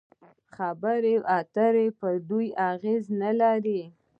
خبرې اترې پر دوی اغېز نلري.